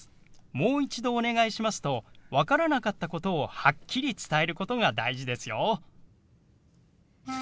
「もう一度お願いします」と分からなかったことをはっきり伝えることが大事ですよ。